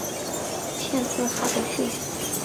县治哈得逊。